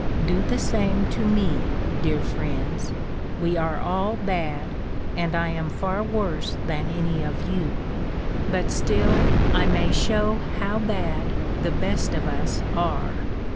Do the same to me, dear friends. We are all bad, and I am far worse than any of you; but still I may show how bad the best of us are.